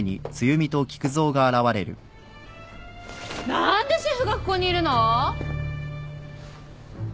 何でシェフがここにいるの！？